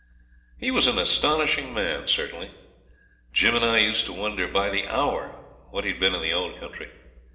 He was an astonishing man, certainly. Jim and I used to wonder, by the hour, what he'd been in the old country.